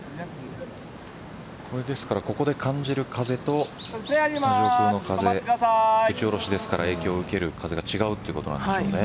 ここで感じる風と上空の風打ち下ろしですから影響を受ける風が違うということですね。